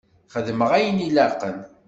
Xeddmeɣ ayen i laqen.